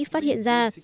phát hiện ra